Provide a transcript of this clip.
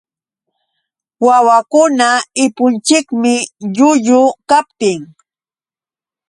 Wawakunata illpunchikmi llullu kaptin.